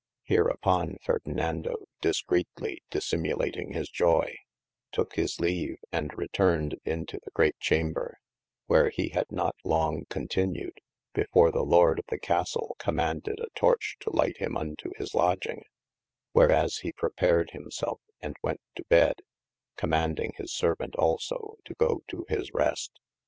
Hereupon Ferdinando discreetely dissimuling his joy, toke his leave & returned into the great chamber, where he had not long continued before the Lord of the Castell commaunded a torch to light him unto his lodging, wheras he prepared himselfe and went to bed, commaunding his servaunt also to go to his rest.